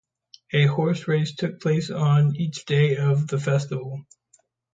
A horse-race took place on each day of the festival.